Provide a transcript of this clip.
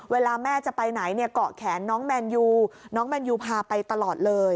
เวลาแม่จะไปไหนเนี่ยเกาะแขนน้องแมนยูน้องแมนยูพาไปตลอดเลย